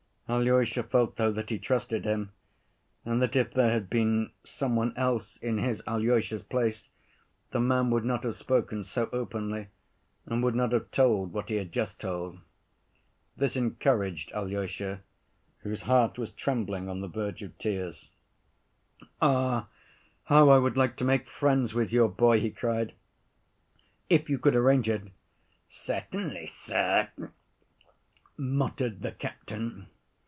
Alyosha felt though that he trusted him, and that if there had been some one else in his, Alyosha's place, the man would not have spoken so openly and would not have told what he had just told. This encouraged Alyosha, whose heart was trembling on the verge of tears. "Ah, how I would like to make friends with your boy!" he cried. "If you could arrange it—" "Certainly, sir," muttered the captain.